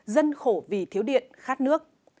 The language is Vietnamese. dân khổ vì thiếu điện khát nước